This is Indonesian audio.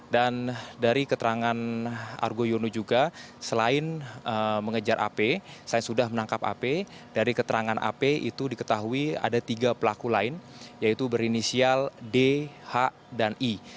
dan dari keterangan argo yono juga selain mengejar ap selain sudah menangkap ap dari keterangan ap itu diketahui ada tiga pelaku lain yaitu berinisial d h dan i